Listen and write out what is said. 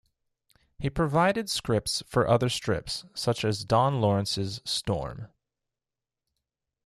He provided scripts for other strips, such as Don Lawrence's "Storm".